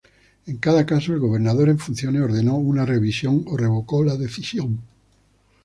En cada caso, el gobernador en funciones ordenó una revisión o revocó la decisión.